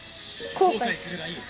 後悔するがいい